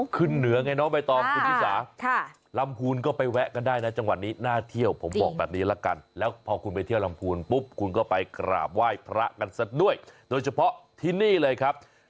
คุณก็ไปกราบไหว้พระกันเสร็จด้วยโดยเฉพาะที่นี่เลยครับ